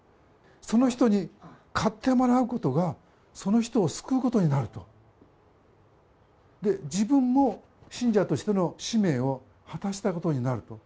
その人に買ってもらうことが、その人を救うことになると、自分も信者としての使命を果たしたことになると。